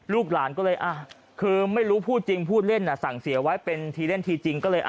ลูกหลานก็เลยคือไม่รู้พูดจริงพูดเล่นสั่งเสียไว้เป็นทีเล่นทีจริงก็เลย